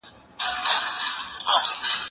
زه پرون موبایل کاروم